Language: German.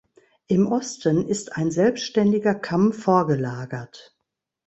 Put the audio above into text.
Im Osten ist ein selbständiger Kamm vorgelagert.